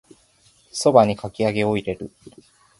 蕎麦にかき揚げを入れる